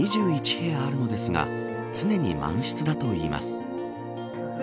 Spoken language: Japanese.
部屋あるのですが常に満室だといいます。